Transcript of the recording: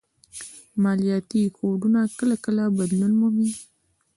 مالياتي کوډونه کله کله بدلون مومي